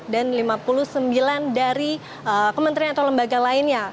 dan lima puluh sembilan dari kementerian atau lembaga lainnya